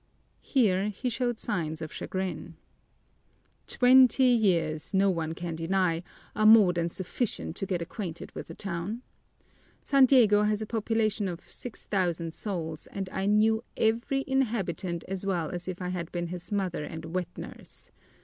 Here he showed signs of chagrin. "Twenty years, no one can deny, are more than sufficient to get acquainted with a town. San Diego has a population of six thousand souls and I knew every inhabitant as well as if I had been his mother and wet nurse.